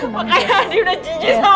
bukannya adi udah jijik sama aku